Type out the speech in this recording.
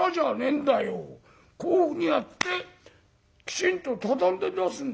こういうふうにやってきちんと畳んで出すんだよ。